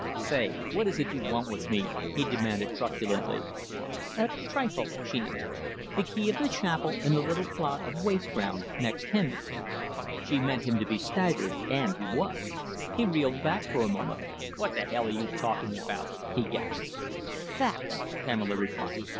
"Say, what is it you want with me?" he demanded truculently. "A trifle," she answered. "The key of the chapel in the little plot of waste ground next Henry's." She meant him to be staggered, and he was. He reeled back for a moment. "What the hell are you talking about?" he gasped. "Facts," Pamela replied.